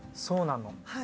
そうなの。